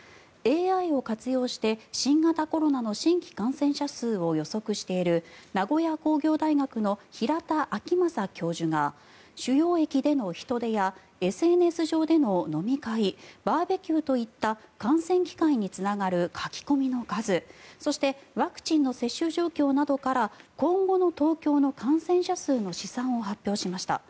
ＡＩを活用して新型コロナの新規感染者数を予測している名古屋工業大学の平田晃正教授が主要駅での人出やＳＮＳ上での飲み会、ＢＢＱといった感染機会につながる書き込みの数そしてワクチンの接種状況などから今後の東京の感染者数の試算を発表しました。